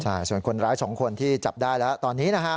ใช่ส่วนคนร้ายสองคนที่จับได้แล้วตอนนี้นะฮะ